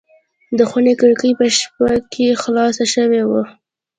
د خونې کړکۍ په شپه کې خلاصه شوې وه.